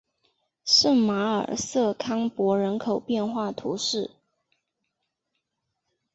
圣马尔瑟康珀人口变化图示